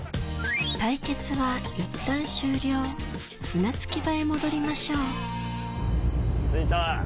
対決はいったん終了船着場へ戻りましょう着いた。